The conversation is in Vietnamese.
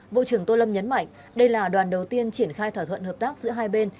bộ trưởng tô lâm nhấn mạnh đây là đoàn đầu tiên triển khai thỏa thuận hợp tác giữa hai bên